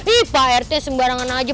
ih perte sembarangan aja